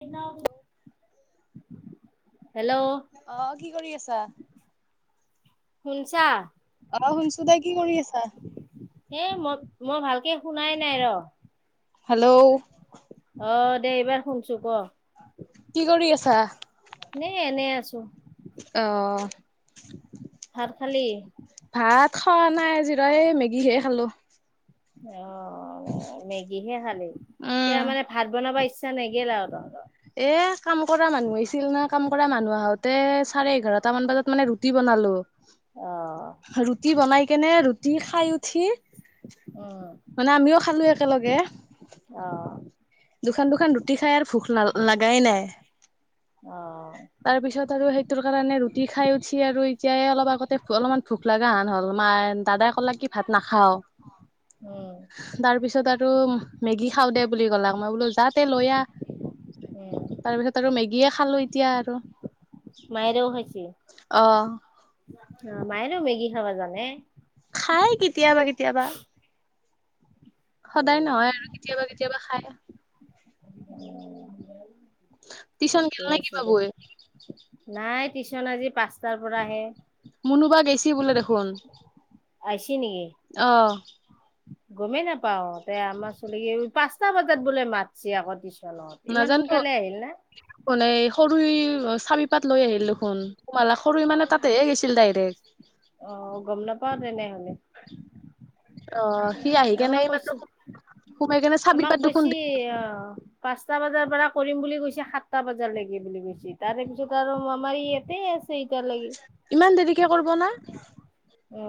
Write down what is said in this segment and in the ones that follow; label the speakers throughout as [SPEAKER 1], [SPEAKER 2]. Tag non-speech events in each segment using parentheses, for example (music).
[SPEAKER 1] Hello hello.
[SPEAKER 2] অ কি কৰি আছা।
[SPEAKER 1] শুনিছা।
[SPEAKER 2] অ শুনছো দে কি কৰি আছা?
[SPEAKER 1] সেই মই মই ভালকে শুনাই নাই ৰ
[SPEAKER 2] হেল্ল'
[SPEAKER 1] অ দে এইবাৰ শুনছো ক
[SPEAKER 2] কি কৰি আছা।
[SPEAKER 1] এই এনেই আছো।
[SPEAKER 2] অহ।
[SPEAKER 1] ভাত খালি।
[SPEAKER 2] ভাত খোৱা নাই আজিৰা এই মেগীহে খালো।
[SPEAKER 1] অ মেগীহে খালী
[SPEAKER 2] উম।
[SPEAKER 1] এতিয় মানে ভাত বনাব ইচ্ছা লাগিল।
[SPEAKER 2] এ কাম কৰা মানুহ আহছিল না কাম কৰা মানুহ আহোতে চাৰে এঘাৰ। এটামান বজাত মানে ৰুটি বনালো।
[SPEAKER 1] অ
[SPEAKER 2] ৰুটি বনাই কেনে ৰুটি খাই উঠি।
[SPEAKER 1] উম
[SPEAKER 2] মানে আমিও খালো একেলগে।
[SPEAKER 1] অ
[SPEAKER 2] দুখনান দুখনান ৰুটি খাই আৰু ভোক লাল। লগাই নাই
[SPEAKER 1] অ
[SPEAKER 2] তাৰপিছত আৰু সেইটোৰ কাৰণে। ৰুটি খাই উঠি আৰু এতিয় অলপ আগতে অলপমান ভোক লগা হন হ'ল মা দাদাই ক'লা কি ভাত নাখাও।
[SPEAKER 1] উম
[SPEAKER 2] তাৰ পিছত আৰু মেগি খাঁও দে। বুলি কলাক মই বোলো যাতে লৈ আহ
[SPEAKER 1] উম
[SPEAKER 2] তাৰপিছত আৰু মেগী। গিয়ে খালো এতিয়া আৰু।
[SPEAKER 1] মায়েৰেও হৈছিল।
[SPEAKER 2] অহ'।
[SPEAKER 1] অ মায়ো মেগী খাবা জানে।
[SPEAKER 2] খাই কেতিয়াবা কেতিয়াবা। সদায়
[SPEAKER 1] উম
[SPEAKER 2] নহয় আৰু কেতিয়াবা কেতিয়াবা খাই।
[SPEAKER 1] উম
[SPEAKER 2] টিউচন
[SPEAKER 1] ঠিকে
[SPEAKER 2] গেল নে কি
[SPEAKER 1] আছে দে,
[SPEAKER 2] বাবুই
[SPEAKER 1] নাই টিউশন আজি পাঁচটাৰ পৰা আহে।
[SPEAKER 2] মুনোবা গেছি বোলে দেখোন,
[SPEAKER 1] আহিছি নেকি
[SPEAKER 2] অহ'
[SPEAKER 1] গমেই নাপাও তে আমাৰ চলক পাঁচটা বজাত বোলে মাতছে আকৌ, দিছ
[SPEAKER 2] নাজানো মানে সৰু চাবি পাত লৈ আহিল দেখোন, তোমালা সৰু মানে তাতেহে গৈছিল ডাইৰেক্ট।
[SPEAKER 1] আহ গম নাপাওঁ তেনেহলে।
[SPEAKER 2] অ' সি আহি কেনে
[SPEAKER 1] আমাক কৈছ,
[SPEAKER 2] এইমাত্ৰ সোমাই কেনে চাবি
[SPEAKER 1] আমাক
[SPEAKER 2] পাত দেখোন
[SPEAKER 1] কৈছে, অ পাঁচটা বজাৰ পৰা কৰিম বুলি কৈছে সাতটা বজা লাগে বুলি গৈছে, তাৰে পিছত আৰু আমাৰ ইয়াতে এতিয়ালৈকে
[SPEAKER 2] ইমান দেৰিকে কৰিব না।
[SPEAKER 1] অ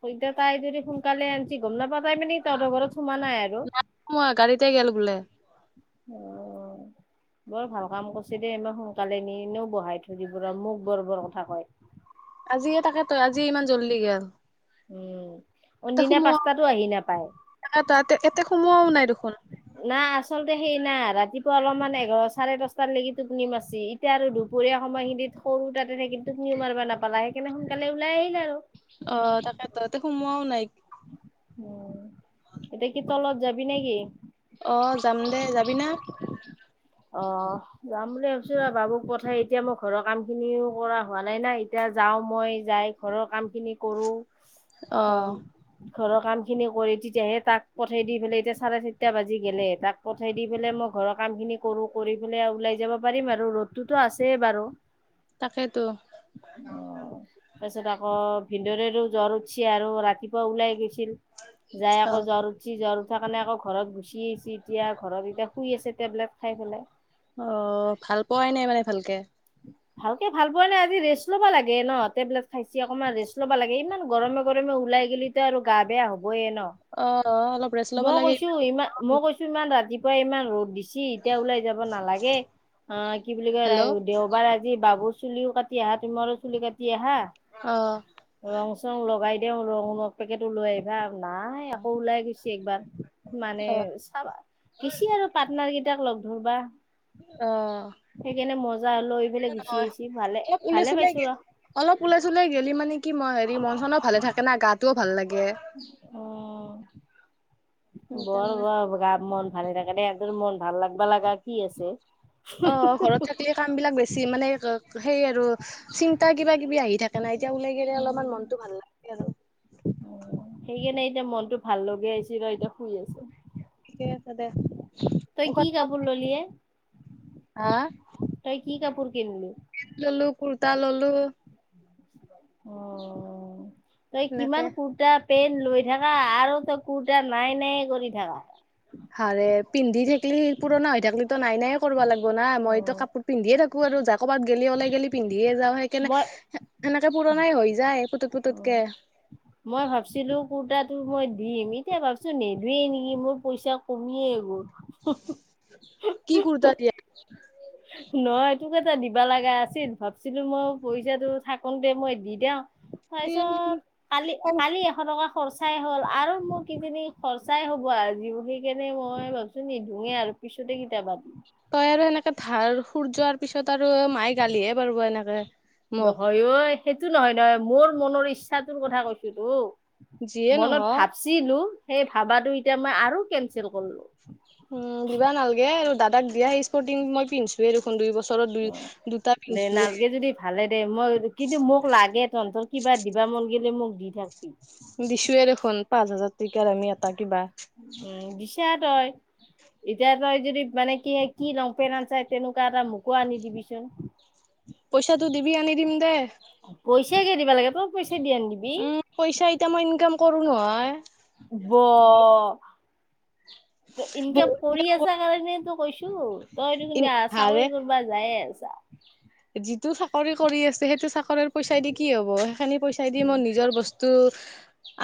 [SPEAKER 1] সৈতে তাই যদি সোনকালে আনিছি গম নাপাম। তাই মিনি তহতঘৰত সোমা নাই আৰু
[SPEAKER 2] মই গাড়ীতে গেল বোলে
[SPEAKER 1] অ' বৰ ভাল কাম কৰিছে দেই মান সোনকালে নি, মও বহাই থৈ দিম ৰ মোক বৰ-বৰ কথা কয়।
[SPEAKER 2] আজিয়ে তাকে তই আজিয়ে ইমান জলি গেল।
[SPEAKER 1] উম'
[SPEAKER 2] এ
[SPEAKER 1] অনদিনা
[SPEAKER 2] সোমোৱা
[SPEAKER 1] পাঁচ তাতো আহি নাপায়,
[SPEAKER 2] তাতে এতে সোমোৱাও নাই দেখোন
[SPEAKER 1] না' আ আচলতে সেই নাই ৰাতিপুৱা অলপমান এঘাৰ চাৰে দহটালৈকি টোপনি মাচি, এতিয়া আৰু দুপৰীয়া সময়খিনিত সৰু তাতে থাকি কিন্ত তুপনিও মাৰিবা নাপালা সেইকাৰণে সোনকালে ওলাই গেল।
[SPEAKER 2] অ তাকে তহতে সোমোৱাও নাই।
[SPEAKER 1] উম' এতিয়া কি তলত যাবি নে কি?
[SPEAKER 2] অ যাম দে যাবি না
[SPEAKER 1] অ যাম বুলি ছো ৰ, বাবুক পঠাই এতিয়া মই ঘৰৰ কাম খিনিও কৰা হোৱা নাই না, এতিয়া যাওঁ মই যাই ঘৰৰ কাম খিনি কৰো।
[SPEAKER 2] অহ'
[SPEAKER 1] ঘৰৰ কামখিনি কৰি তেতিয়াহে তাক পঠাই দি পেলাই, এতিয়া চাৰে চাৰিটা বাজি গ'লে তাক পঠাই দি পেলাই মোক ঘৰৰ কাম খিনি কৰো কৰি পেলাই ওলাই যাব পাৰিম আৰু, ৰ'দতোতো আছেই বাৰু।
[SPEAKER 2] তাকেইতো
[SPEAKER 1] অহ' তাৰ পিছত আকৌ ভিন্দৰেৰো জ্বৰ উঠছে আৰু ৰাতিপুৱা ওলাই গৈছ ছিল, যাই
[SPEAKER 2] অ
[SPEAKER 1] আকৌ জ্বৰ উঠছি জ্ব সেকাৰণে আকৌ ঘৰত গুচি আহিছে এতিয়া, ঘৰত এতিয়া শুই আছে টেবলেট খাই পেলাই।
[SPEAKER 2] অ' ভাল পোৱাই নাই মানে ভালকে
[SPEAKER 1] ভালকে ভাল পোৱা নাই আজি ৰেষ্ট ল'ব লাগে ন, টেবলেট খাইছে অকনমান ৰেষ্ট ল'ব লাগে ইমান গৰমে গৰমে ওলাই গেলে টো আৰু গা বেয়া হ'ব। এ ন,
[SPEAKER 2] অ অ অলপ ৰেষ্ট ল'ব
[SPEAKER 1] মই
[SPEAKER 2] লাগে
[SPEAKER 1] কৈছোঁ ইমান, মই কৈছো ইমান ৰাতিপুৱাই ইমান ৰ'দ দিছে ছি এতিয়া ওলাই যাব নালাগে, অ কি বুলি কয়
[SPEAKER 2] হেল্ল' অ
[SPEAKER 1] দেওবাৰ আজি বাবু চুলিও কাটি আহা, তুমাৰো চুলি কাটি আহা, ৰং চং লগাই তেওঁ ৰং পেকেটো লৈ আহিবা। নাই আকৌ ওলাই গৈছে একবাৰ, মানে
[SPEAKER 2] অ
[SPEAKER 1] চাবা গেছি আৰু পাৰ্টনাৰ কেই তাক লগ ধৰবা।
[SPEAKER 2] অহ'
[SPEAKER 1] সেইকাৰণে মজা লৈ পেলাই গুচি
[SPEAKER 2] নহয়,
[SPEAKER 1] আহিছি ভালে
[SPEAKER 2] এ পুলিচ
[SPEAKER 1] ভালে
[SPEAKER 2] ওলাই
[SPEAKER 1] পাইছো
[SPEAKER 2] গে,
[SPEAKER 1] ৰ
[SPEAKER 2] অলপ ওলাই চলাই গেলি মানে কি মই হেৰি মন চনও ভালে থাকে না গাটোও ভাল লাগে।
[SPEAKER 1] উম বৰ
[SPEAKER 2] সেইকাৰণে
[SPEAKER 1] ব গা মন ভালে থাকে দে, তোৰ মন ভাল লাগবা লগা কি আছে।
[SPEAKER 2] অহ ঘৰত থাকিলে কাম বিলাক বেছি মানে সেই আৰু চিন্তা কিবা। কিবি আহি থাকে না এতিয়া ওলাই গেলে অলপমান
[SPEAKER 1] উম,
[SPEAKER 2] মনতটো ভাল লাগে আৰু
[SPEAKER 1] সেইকাৰণে এতিয়া মনতটো ভাল লগাই আহিছে ৰ এতিয়া শুই আছো।
[SPEAKER 2] ঠিকে আছে দে।
[SPEAKER 1] তই কি
[SPEAKER 2] মুখত
[SPEAKER 1] কাপোৰ ললি এ
[SPEAKER 2] হা
[SPEAKER 1] তই কি কাপোৰ কিনলি।
[SPEAKER 2] পেন্ট ললো কুৰ্তা ললো।
[SPEAKER 1] অ তই
[SPEAKER 2] এনেকে
[SPEAKER 1] কিমান কুুৰ্তা পেণ্ট লৈ থাকা আৰু তই কুৰ্তা নাই নাই কৰি থাকা।
[SPEAKER 2] হাৰে পিন্ধি থাকিলি পুৰণা হৈ থাকলি তো নাই নাই কৰিবা লাগিব না মইতো
[SPEAKER 1] অ',
[SPEAKER 2] কাপোৰ পিন্ধিয়ে থাকো। আৰু যা ক'ৰবাত গেলি ওলাই গেলি পিন্ধিয়ে যাওঁ সেই
[SPEAKER 1] মই
[SPEAKER 2] কানে পুৰণাই হৈ যায় পুতুক কে
[SPEAKER 1] মই ভাবিছিলো কুৰ্তাটো মই দিম এতিয়া ভাবচোন নেদোৱে নেকি মোৰ পইচা কমিয়ে গল
[SPEAKER 2] কি কুৰ্তা দিয়া
[SPEAKER 1] নহয় তোক এটা দিবা লগা আছিল ভাবছিলো মই পইচাটো থাকোতে মই দি দেও তাৰপিছত কালি কালি এশ টকা খৰচাই হ'ল আৰু মোক সেইখিনি খৰচাই হ'ব আৰ দি সেই কেনে মই ভাবছো নিদোয়ে আৰু পিছতে কেতিয়া বাদি
[SPEAKER 2] তই আৰু সেনেকে ধাৰ সুৰ যোৱাৰ পিছত আৰু মায়ে গালিহে পাৰিব এনেকে মোক
[SPEAKER 1] নহয় ঐ সেইটো নহয় নহয় মোৰ মনৰ ইচ্ছাটোৰ কথা কৈছোতো
[SPEAKER 2] যিয়ে
[SPEAKER 1] মনত
[SPEAKER 2] নহওক
[SPEAKER 1] ভাবছিলো সেই ভাবাটো এতিয়া মই আৰু কেনচেল কৰিলো
[SPEAKER 2] উম দিবা নালাগে আৰু দাদাক দিয়া সেই স্পৰ্টিং মই পিন্ধছো দেখোন দুই বছৰত দুই
[SPEAKER 1] দে
[SPEAKER 2] পিন্ধছো
[SPEAKER 1] নালকে যদি ভালে দে মই কিন্তু মোক লাগে তহঁতৰ কিবা দিবা মন গিললে মোক দি থাকবি।
[SPEAKER 2] দিছোয়ে দেখোন পাঁচ হাজাৰ টকীয়াৰ দামী এটা কিবা
[SPEAKER 1] উম দিছা তই এতিয়া তই যদি মানে কি কি ৰংপেন আন চা তেনেকুৱা এটা মোকো আনি দিবিচোন
[SPEAKER 2] পইচাটো দিবি আনি দিম দে
[SPEAKER 1] কিবা লাগে তোকপিছ
[SPEAKER 2] উম পইচা এতিয়া মই ইনকাম কৰো নহয়।
[SPEAKER 1] ব। ত ইনকাম
[SPEAKER 2] বহুত
[SPEAKER 1] কৰি আছা
[SPEAKER 2] কৰো
[SPEAKER 1] কাৰণে তো কৈছো তইটো কি
[SPEAKER 2] হাৰে
[SPEAKER 1] চাকৰি কৰ যাই আছ।
[SPEAKER 2] যিটো চাকৰি কৰি আছে সেইটো চাক ঘৰৰ পইচাই দি কি হ'ব সেইখিনি পইচাই দি মই নিজৰ বস্তু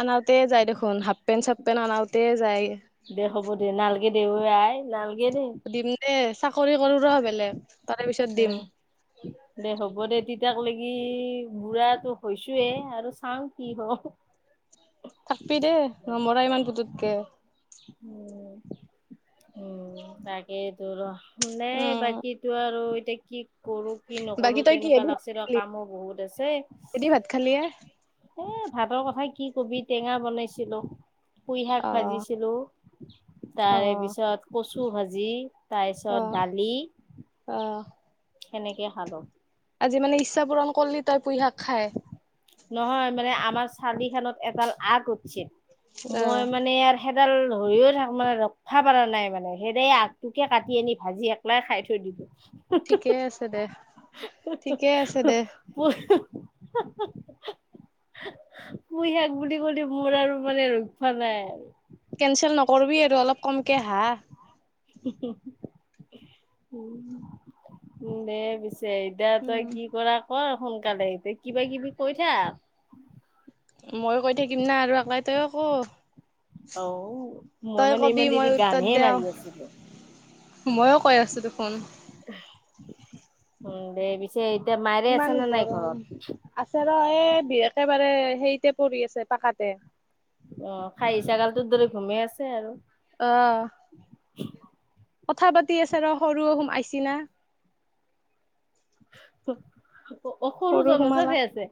[SPEAKER 2] আনাত তে যায় দেখোন হাফ পেণ্ট চফ পেনট অনাওঁতে যায়।
[SPEAKER 1] দে হ'ব দে নালকে দেও ঐ আই নাল-
[SPEAKER 2] সুধিম দে চাকৰি কৰো ৰ বেলেগ তাৰে পিছত দিম
[SPEAKER 1] উম দে হ'ব দে তিত এতিয়া লৈকে বুঢ়টো হৈছোয়ে আৰু চাওঁ কি হ
[SPEAKER 2] থাকবি দেই নমৰা ইমান পুতুকে
[SPEAKER 1] উম উম তাকেইতো ৰ মানে
[SPEAKER 2] উম
[SPEAKER 1] বাকী তো আৰু এতিয়া কি কৰো কি
[SPEAKER 2] বাকী
[SPEAKER 1] নকৰো তেনেকুৱা লাগছে দিয়ক কামো বহুত আছে
[SPEAKER 2] কিহে দি ভাত খালি এ
[SPEAKER 1] এ ভাতৰ কথা কি কবি টেঙা বনাইছিলো কুই শাক
[SPEAKER 2] অ
[SPEAKER 1] ভাজিছিলো
[SPEAKER 2] অ
[SPEAKER 1] তাৰে পিছত কচু ভাজি
[SPEAKER 2] অ
[SPEAKER 1] তাৰপিছত দালি
[SPEAKER 2] অ
[SPEAKER 1] সেনেকে খালো
[SPEAKER 2] আজিানে ইচ্ছা পূৰণ কৰলি তই পুঁই শাক খাই
[SPEAKER 1] নহয় মানে আমাৰ চাৰিখনত এডাল আগ উঠছে
[SPEAKER 2] অ
[SPEAKER 1] মই মানে ইয়াৰ সেইডাল ধৰিও থাক মানে ৰখিবা পৰা নাই মানে সেইদ আগটোকে কাটি আনি ভাজি এেলাই খাই থৈ দিলো।
[SPEAKER 2] ঠিকে আছে দে ঠিকে আছে দে।
[SPEAKER 1] (unintelligible) পুইশাক বুলি ক'লে মোৰ আৰু মানে ৰক্ষা নাই আৰু।
[SPEAKER 2] কেনচেল নকৰিবি আৰু অলপ কমকে হা।
[SPEAKER 1] দে পি ছে এতিয়া তই কি কৰা কৰ সোনকালে কিবা কিবি কৈ থাক।
[SPEAKER 2] মইয়ো কৈ থাকিম না আৰু একলাই তইয়ো ক'।
[SPEAKER 1] ও মই
[SPEAKER 2] তই
[SPEAKER 1] মানে
[SPEAKER 2] কবি
[SPEAKER 1] ইমান
[SPEAKER 2] মই
[SPEAKER 1] দেৰি গানহে মাৰি আছিলো।
[SPEAKER 2] মইয়ো কৈ আছোঁ দেখোন।
[SPEAKER 1] উম দে বি-
[SPEAKER 2] ইমান গৰম। আছে ৰ এ বি একেবাৰে- সেইতে পৰি আছে পাকাতে।
[SPEAKER 1] অ খাই এই ছাগাল তোৰ দৰে ঘুমেই আছে আৰু।
[SPEAKER 2] আহ।
[SPEAKER 1] (inaudible)
[SPEAKER 2] কথা পাতি আছে ৰ সৰু সোম আইছি না।
[SPEAKER 1] স স সৰু জনে তাতে আছে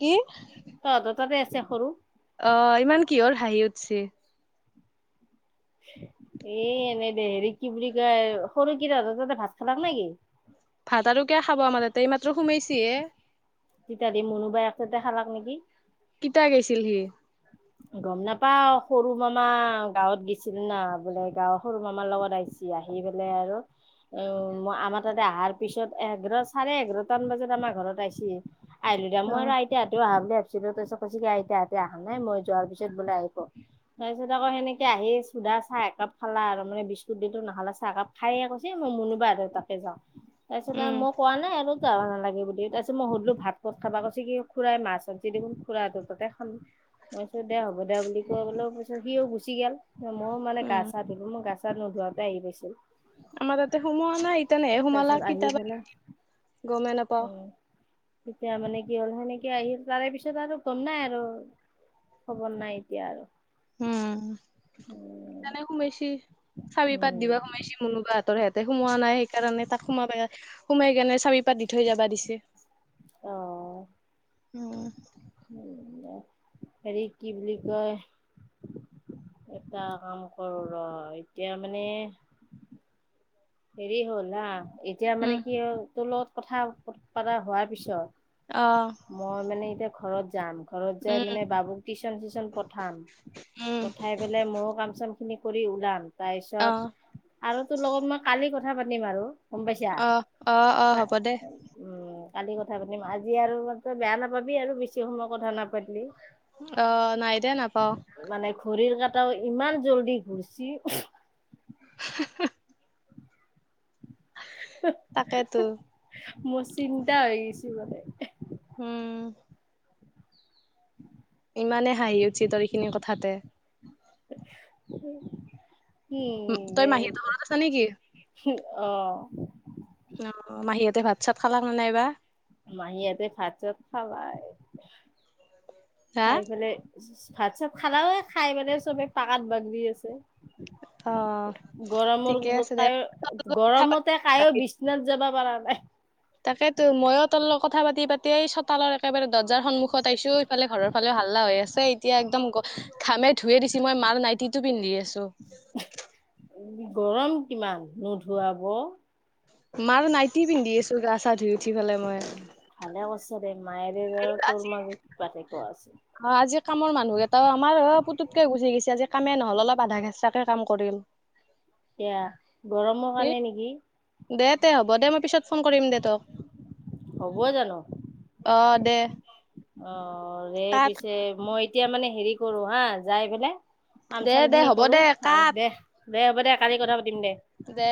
[SPEAKER 2] কি
[SPEAKER 1] তাতে আছে সৰু-
[SPEAKER 2] অ ইমান কিহৰ হাঁহি উঠছে?
[SPEAKER 1] এ এনেই দে হেৰি কি বুলি কয় সৰু কেইটা তহঁতৰ তাত ভাত খালে নে কি?
[SPEAKER 2] ভাত আৰু কিয় খাব আমাৰ তাতে এই মাত্ৰ সোমাইছি হে।
[SPEAKER 1] ইতাদি মনোবাই তাতে খালাক নেক
[SPEAKER 2] কিতা গৈছিল সি?
[SPEAKER 1] গম নাপাও সৰু মামা গাৱঁত গেছিল না বোলে গাৱঁৰ সৰু মামাৰ লগত আহছি- আহি পেলাই আৰু- অ আমাৰ তাতে অহাৰ পিছত এঘাৰ চাৰে এঘাৰটা মান বজাত আমাৰ ঘৰত আছিহি। আহিলো দে
[SPEAKER 2] অ
[SPEAKER 1] মই আৰু আইতা হতেও আহিছে বুলি ভাবিছিলো তাৰিছত কৈছে কি আইতাহতে অহা নাই মই- যোৱাৰ পিছত বোলে আহিব তাৰ পিছত বোলে আহিব, আকৌ সেনেকে আহি চুধা চাহ একাপ খালা আৰু মানে বিস্কুট দিলোঁ - নাখালে চাহ একাপ খাইয়ে কৈছে মই মোনোবা তাতে যাওঁ, তাৰপিছত
[SPEAKER 2] উম।
[SPEAKER 1] আৰু মই কোৱা নাই আৰু। জাবা নালাগে বুলি তাৰপিছত মই সুধিলো ভাত কত খাবা, কৈছে কি খুৰাই মাছ আনিছে দেখোন খুৰা তাতে খাম। মই কৈছো দে হ'ব দে বুলি কৈ বোলে পিছত সিও গুচি গল মই মানে গা
[SPEAKER 2] উম
[SPEAKER 1] চা ধলো মই গাছা- নোধোৱাকে আহি গৈছিল।
[SPEAKER 2] আমাৰ তাতে সোমোৱা নাই (unintelligible) তেনেহে সোমালা
[SPEAKER 1] তাৰপিছত আহি পেলাই
[SPEAKER 2] (unintelligible) গমে নাপাওঁ।
[SPEAKER 1] এতিয়া মানে কি হ'ল সেনেকে আহি তাৰে পিছত আৰু ঘুম নাই আৰু। খবৰ নাই এতিয়া আৰু।
[SPEAKER 2] উম।
[SPEAKER 1] উম
[SPEAKER 2] জানে সোমাইছি চাবি পাত
[SPEAKER 1] উম
[SPEAKER 2] দিবা সোমাইছি মুনোবা হতৰ ঘৰত। তাতে সোমোৱা নাই সেইকাৰণে তাক সোমাবাই সোমাই কেনে চাবি পাত দি থৈ যাবা দিছে।
[SPEAKER 1] অ
[SPEAKER 2] ওম
[SPEAKER 1] হেৰি কি বুলি কয়। এটা কাম কৰোঁ ৰ এতিয়া মানে- হেৰি হ'ল হা এতিয়া মানে
[SPEAKER 2] উম
[SPEAKER 1] কি হল তোৰ লগত কথা পাতাৰ হোৱাৰ পিছত,
[SPEAKER 2] অ'
[SPEAKER 1] মই মানে এতিয়া ঘৰত যাম। ঘৰত যাই
[SPEAKER 2] উম
[SPEAKER 1] মানে বাবুক টিউচন চিউচন পঠাম
[SPEAKER 2] উম
[SPEAKER 1] পঠাই পেলাই মইও কাম চাম খিনি কৰি ওলাম তাৰ পিছত
[SPEAKER 2] অ'।
[SPEAKER 1] আৰু তো লগত মই কালি কথা পাতিম আৰু। গম পাইছা।
[SPEAKER 2] অ' অ' অ' হ'ব দে
[SPEAKER 1] কালি কথা পাতিম আজি আৰু বেয়া নাপাবি আৰু বেছি সময় কথা নাপাতিলি।
[SPEAKER 2] অ নাই দে নাপাও।
[SPEAKER 1] তও ইমান জল্দি ঘূৰছি।
[SPEAKER 2] (unintelligible) তাকেইতো।
[SPEAKER 1] মোৰ চিন্তা হৈ গৈছো মানে।
[SPEAKER 2] উম। ইমানে হাঁহি উঠি ত এইখিনি কথাতে।
[SPEAKER 1] (unintelligible) কি
[SPEAKER 2] উম তই
[SPEAKER 1] দে
[SPEAKER 2] মাহীহঁতৰ ঘৰত আছা নেকি?
[SPEAKER 1] অ
[SPEAKER 2] অ মাহীয়েতে ভাত চাত খালাং নে নাইবা।
[SPEAKER 1] মাহী হঁতে ভাত চাত খাই
[SPEAKER 2] হা
[SPEAKER 1] খাই পেলাই। ভাত চাত খালা খাই মানে চবে পাকাত বাগৰি আছে।
[SPEAKER 2] অ'হ।
[SPEAKER 1] গৰমৰ কোবতে কাই
[SPEAKER 2] কথা
[SPEAKER 1] গৰমতে কাইও
[SPEAKER 2] পাতি
[SPEAKER 1] বিশ্বনাত যাব পৰা নাই।
[SPEAKER 2] তাকেতো মইো তোৰ লগত কথা পাতি পাতিয়ে চোতালৰ একেবাৰে দ। বজাৰ সন্মুখত আছো ইফালে ঘৰ ফালে হালা হৈ আছে এতিয়া একদম। খামে ধুয়ে দিছ মই মাৰ নাইটিটো পিন্ধি আছো।
[SPEAKER 1] গৰম কিমান নুধুৱাব।
[SPEAKER 2] মাৰ নাইটি পিন্ধি আছো গা চা ধুই। উঠি পেলাই মই
[SPEAKER 1] ভালে হৈছে দে। নিজৰ
[SPEAKER 2] আৰু
[SPEAKER 1] তোৰ
[SPEAKER 2] আজি
[SPEAKER 1] মাজত পাতে।
[SPEAKER 2] অ আজি কামৰ মানুহকেইটাও আমাৰ অ পুতুতকে গুচি গৈছে আজি কামে নহল অলপ আধা কেঁচাকে। কাম কৰিম।
[SPEAKER 1] এয়া গৰমৰ কাৰণে নেকি।
[SPEAKER 2] দে তে হ'ব দে মই পিছত ফোন কৰিম দে তোক
[SPEAKER 1] হ'ব জানো?
[SPEAKER 2] অ। অঁ দে। (inaudible)
[SPEAKER 1] অ ৰে
[SPEAKER 2] কাট
[SPEAKER 1] পিছে মই এতিয়া মানে হেৰি কৰো হা যাই এইপিনে। কাম
[SPEAKER 2] দে
[SPEAKER 1] চাম
[SPEAKER 2] দে
[SPEAKER 1] খিনি
[SPEAKER 2] হ'ব দে
[SPEAKER 1] কৰো আৰু
[SPEAKER 2] কাট
[SPEAKER 1] দে দে হ'ব দে কালি কথা পাতিম দে।
[SPEAKER 2] দে।